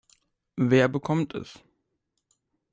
Wer bekommt es?